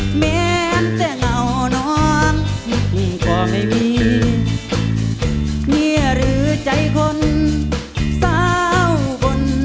แม้แต่เหงาน้องก็ไม่มีเมียหรือใจคนสาวคน